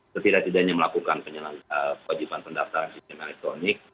setidak tidaknya melakukan penyelenggaraan wajiban pendaftaran sistem elektronik